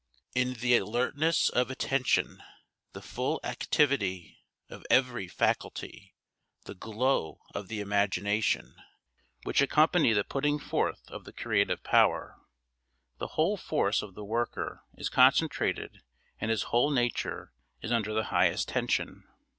In the alertness of attention, the full activity of every faculty, the glow of the imagination, which accompany the putting forth of the creative power, the whole force of the worker is concentrated and his whole nature is under the highest tension.